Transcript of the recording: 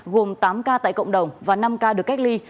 gồm tám ca tại cộng đồng và năm ca được cách ly